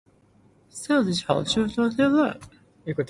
成日貼相出來呃 like